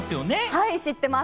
はい、知ってます。